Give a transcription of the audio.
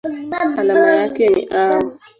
Alama yake ni Au.